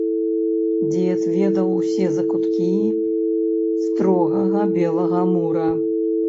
Дзед ведаў усе закуткі строгага белага мура.